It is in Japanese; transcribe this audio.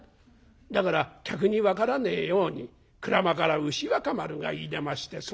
だから客に分からねえように『鞍馬から牛若丸がいでましてその名を九郎』。